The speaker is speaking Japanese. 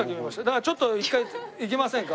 だからちょっと一回いきませんか？